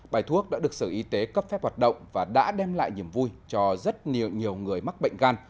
bài thuốc đã được sở y tế cấp phép hoạt động và đã đem lại niềm vui cho rất nhiều người mắc bệnh gan